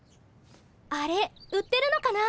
あれ売ってるのかな？